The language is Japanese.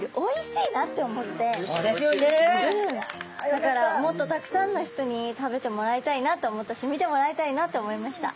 だからもっとたくさんの人に食べてもらいたいなと思ったし見てもらいたいなと思いました。